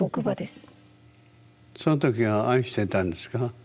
その時は愛してたんですか？